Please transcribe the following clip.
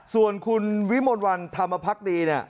ส่วนคุณวิมลวันธรรมพักดีเนี่ย